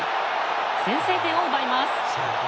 先制点を奪います。